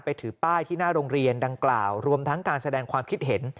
ถือป้ายที่หน้าโรงเรียนดังกล่าวรวมทั้งการแสดงความคิดเห็น